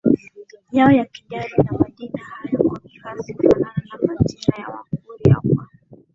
yao ya kijadi na majina hayo kwa kiasi hufanana na majina ya Wakuria Kwa